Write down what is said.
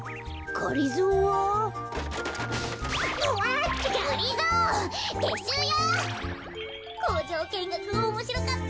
こうじょうけんがくおもしろかった。